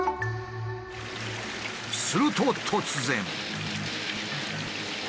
すると突然。